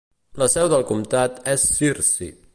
La seu del comtat és Searcy.